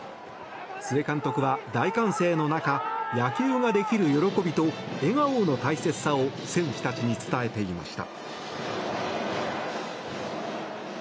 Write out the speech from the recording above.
須江監督は大歓声の中野球ができる喜びと笑顔の大切さを選手たちに伝えていました。